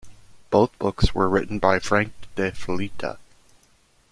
Both books were written by Frank De Felitta.